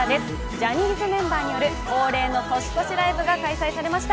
ジャニーズメンバーによる、恒例の年越しライブが開催されました。